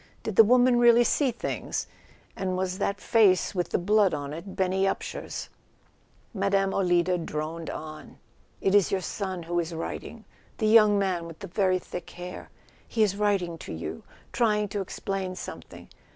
Did the woman really see things, and was that face with the blood on it Benny Upsher's? Mme. Olida droned on. " It is your son who is writing —the young man with the very thick hair. He is writ¬ ing to you—trying to explain something.